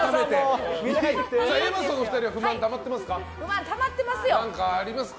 Ａマッソのお二人不満たまってますか？